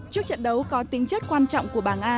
trước trận đấu có tính chất quan trọng của bảng a